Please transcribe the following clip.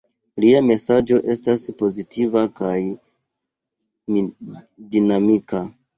Lia mesaĝo estas pozitiva kaj dinamika.